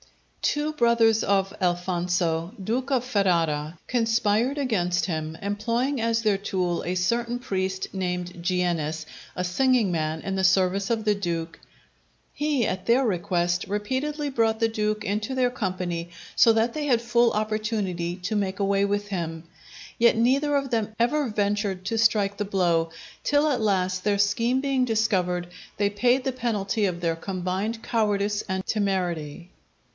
Two brothers of Alfonso, Duke of Ferrara, conspired against him, employing as their tool a certain priest named Giennes, a singing man in the service of the Duke. He, at their request, repeatedly brought the Duke into their company, so that they had full opportunity to make away with him. Yet neither of them ever ventured to strike the blow; till at last, their scheme being discovered, they paid the penalty of their combined cowardice and temerity.